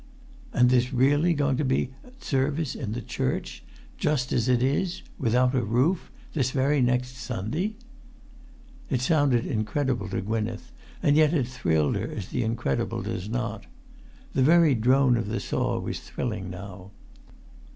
"And there's really going to be service in the church—just as it is—without a roof—this very next Sunday!" [Pg 315]It sounded incredible to Gwynneth, and yet it thrilled her as the incredible does not. The very drone of the saw was thrilling now.